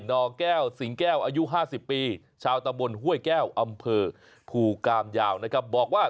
นี่น่าอายนะโดนล้อตลอด